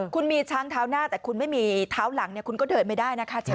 คุณมีช้างเท้าหน้าแต่คุณไม่มีเท้าหลังเนี่ยคุณก็เดินไม่ได้นะคะ